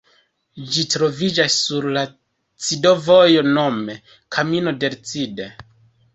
Ĝi troviĝas sur la Cido-vojo nome "Camino del Cid".